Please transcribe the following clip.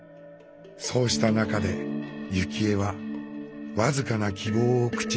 そうした中で幸恵は僅かな希望を口にします。